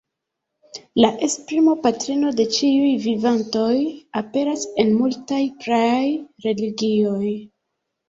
La esprimo "patrino de ĉiuj vivantoj" aperas en multaj praaj religioj.